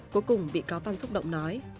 cuối cùng bị cáo văn xúc động nói